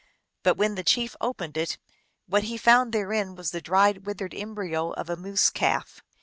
But when the chief opened it what he found therein was the dried, withered embryo of a moose calf.